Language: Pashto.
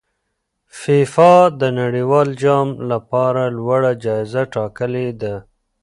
فیفا د نړیوال جام لپاره لوړه جایزه ټاکلې ده.